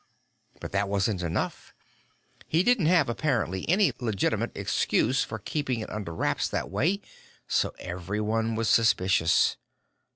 "But that wasn't enough. He didn't have, apparently, any legitimate excuse for keeping it under wraps that way, so everyone was suspicious."